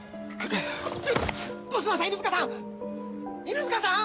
犬塚さん！？